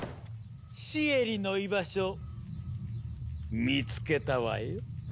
シエリの居場所見つけたわよ。